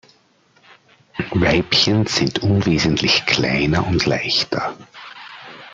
Weibchen sind unwesentlich kleiner und leichter.